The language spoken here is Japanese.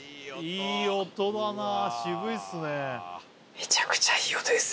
めちゃくちゃいい音です。